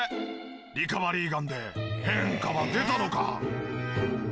リカバリーガンで変化は出たのか？